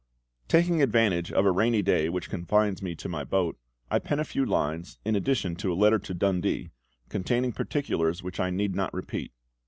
"Taking advantage of a rainy day which confines me to my boat, I pen a few lines, in addition to a letter to Dundee, containing particulars which I need not repeat.